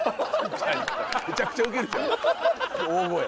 めちゃくちゃウケるじゃん大声。